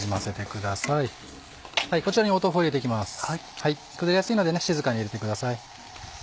崩れやすいので静かに入れてください。